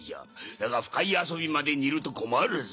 だが腐海遊びまで似ると困るぞ。